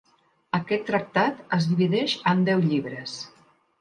Aquest tractat es divideix en deu llibres.